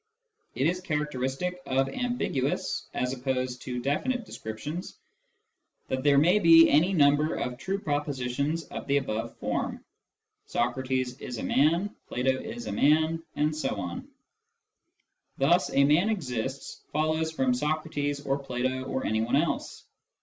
It is characteristic of ambiguous (as opposed to definite) descriptions that there may be any number of true propositions of the above form — Socrates is a man, Plato is a man, etc. Thus " a man exists " follows from Socrates, or Plato, or anyone else.